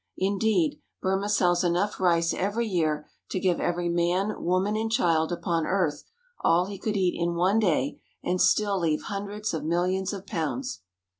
Indeed, Burma sells enough rice every year to give every man, woman, and child upon earth all he could eat in one day and still leave hundreds of millions of pounds.